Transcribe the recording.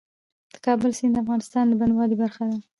د کابل سیند د افغانستان د بڼوالۍ برخه ده.